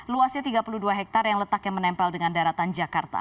luasnya tiga puluh dua hektare yang letaknya menempel dengan daratan jakarta